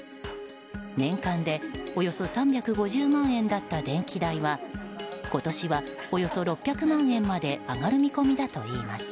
年間でおよそ３５０万円だった電気代は今年はおよそ６００万円まで上がる見込みだといいます。